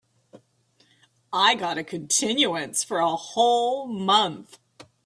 I got a continuance for a whole month.